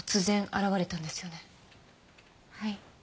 はい。